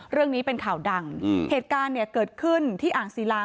เรื่องนี้เป็นข่าวดังเหตุการณ์เนี่ยเกิดขึ้นที่อ่างศิลา